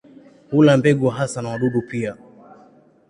Hula mbegu hasa na wadudu pia.